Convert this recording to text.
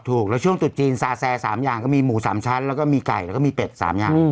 ถูกแล้วช่วงตุดจีนซาแซ๓อย่างก็มีหมู๓ชั้นแล้วก็มีไก่แล้วก็มีเป็ด๓อย่าง